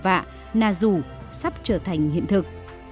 và nà dù sắp trở thành hiện thực